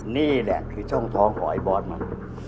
นี่แหละคือช่องท้องของไอ้บอสมัน